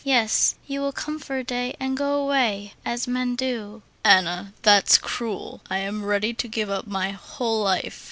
Yes, you will come for a day and go away, as men do...." "Anna, that's cruel. I am ready to give up my whole life."